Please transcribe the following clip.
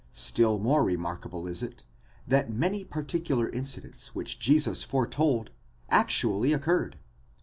Still more remarkable is it, that many particular incidents which Jesus foretold actually occurred.